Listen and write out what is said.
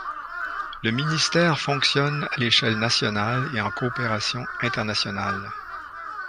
Le ministère fonctionne à l'échelle nationale et en coopération internationale.